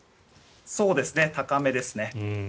そうですね、高めですね。